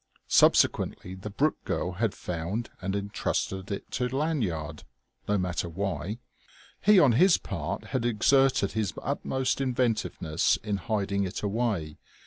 Subsequently the Brooke girl had found and entrusted it to Lanyard. (No matter why!) He on his part had exerted his utmost inventiveness in hiding it away.